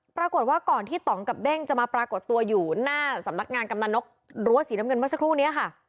ปรากฏว่าก่อนที่ต่องกับเด้งจะมาปรากฏตัวอยู่หน้าสำนักงานกำนันนกรั้วสีน้ำเงินเมื่อสักครู่นี้ค่ะ